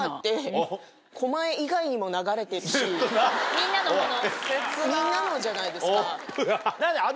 ・みんなのもの